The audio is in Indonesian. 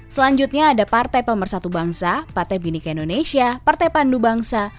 selanjutnya ada partai pemersatu bangsa partai binika indonesia partai pandu bangsa